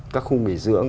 các khu mỹ dưỡng